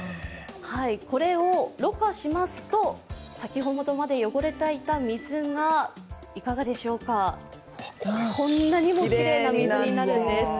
これをろ過しますと先ほどまで汚れていた水がいかがでしょうか、こんなにもきれいな水になるんです。